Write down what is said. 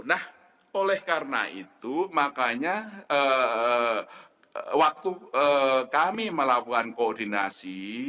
nah oleh karena itu makanya waktu kami melakukan koordinasi